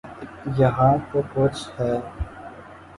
یہاں تو کچھ ہے۔